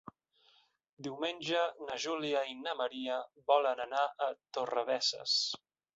Diumenge na Júlia i na Maria volen anar a Torrebesses.